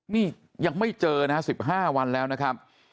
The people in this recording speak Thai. นี่ยังไม่เจอนะฮะ๑๕วันแล้วนะครับ